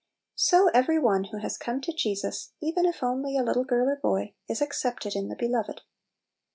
So every one who has come to Jesus, even if only a little girl or boy, is " ac cepted in the Beloved."